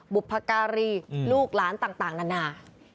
บุพการีลูกหลานต่างนานา